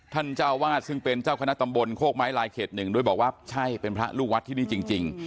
เจ้าวาดซึ่งเป็นเจ้าคณะตำบลโคกไม้ลายเขตหนึ่งด้วยบอกว่าใช่เป็นพระลูกวัดที่นี่จริง